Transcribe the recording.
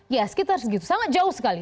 ya sekitar segitu sangat jauh sekali